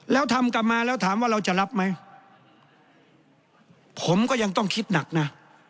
แล้วทำกลับมาแล้วถามว่าเราจะรับไหมผมก็ยังต้องคิดหนักนะ